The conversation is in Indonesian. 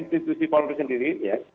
institusi polri sendiri ya